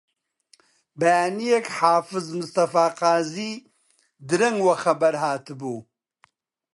بەیانییەک حافز مستەفا قازی درەنگ وە خەبەر هاتبوو